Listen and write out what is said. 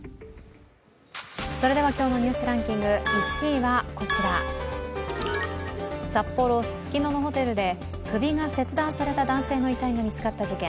それでは今日の「ニュースランキング」１位はこちら札幌ススキノのホテルで首が切断された男性の遺体がみつかった事件。